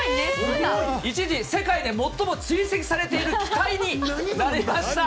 一時、世界で最も追跡されている機体になりました。